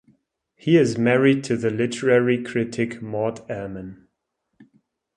He is married to the literary critic Maud Ellmann.